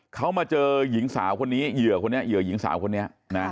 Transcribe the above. เขามาเจอหญิงสาวคนนี้เหยื่อหญิงสาวคนนี้